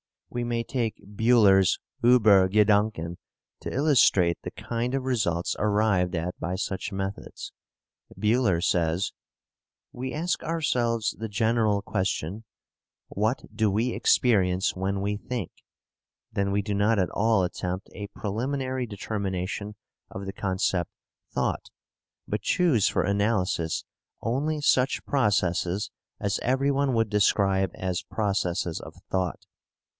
We may take Buhler's "Uber Gedanken" to illustrate the kind of results arrived at by such methods. Buhler says (p. 303): "We ask ourselves the general question: 'WHAT DO WE EXPERIENCE WHEN WE THINK?' Then we do not at all attempt a preliminary determination of the concept 'thought,' but choose for analysis only such processes as everyone would describe as processes of thought."